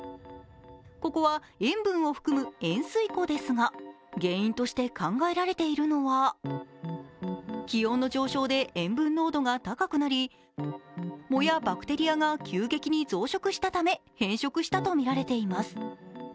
ここは塩分を含む塩水湖ですが、原因として考えられているのは気温の上昇で塩分濃度が高くなり藻やバクテリアが急激に増殖したため変色したとみられています。